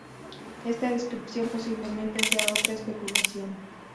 Esta descripción posiblemente sea otra especulación.